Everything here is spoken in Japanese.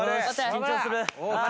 緊張する。